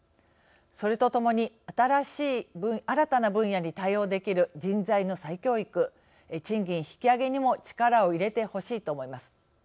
それとともに新たな分野に対応できる人材の再教育賃金引き上げにも力を入れてほしいと思います。